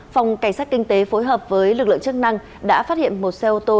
phòng cảnh sát kinh tế phối hợp với lực lượng chức năng đã phát hiện một xe ô tô